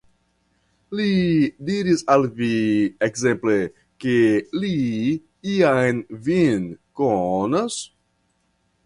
Li diris al vi ekzemple, ke li jam vin konas?